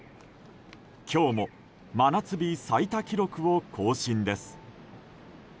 今日も真夏日最多記録を更新です。